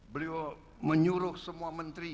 beliau menyuruh semua menteri